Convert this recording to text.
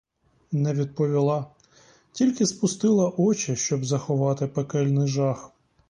Не відповіла, тільки спустила очі, щоб заховати пекельний жах.